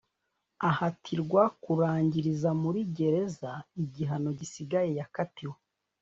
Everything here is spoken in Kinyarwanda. ahatirwa kurangiriza muri gereza igihano gisigaye yakatiwe